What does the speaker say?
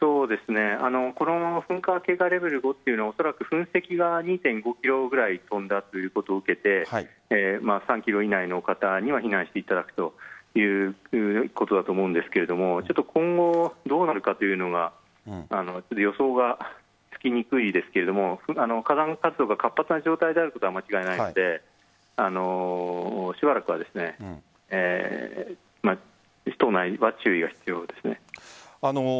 噴火警戒レベル５はおそらく噴石が２．５ｋｍくらい飛んだということを受けて３ｋｍ以内の方には避難していただくということだと思うんですが今後、どうなるかというのは予想がつきにくいですが火山活動が活発な状態であることは間違いないのでしばらくは注意が必要です。